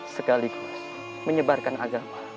sekaligus menyebarkan agama